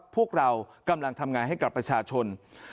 พวกเรากำลังทำงานให้กับประชาชน